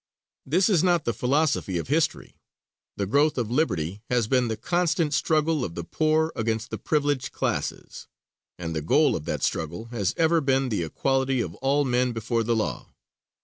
This is not the philosophy of history. The growth of liberty has been the constant struggle of the poor against the privileged classes; and the goal of that struggle has ever been the equality of all men before the law.